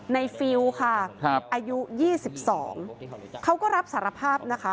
ฟิลล์ค่ะอายุ๒๒เขาก็รับสารภาพนะคะ